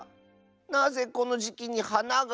なぜこのじきにはなが。